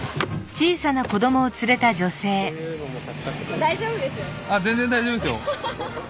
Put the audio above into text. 全然大丈夫ですよ。